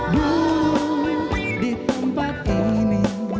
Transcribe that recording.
dulu di tempat ini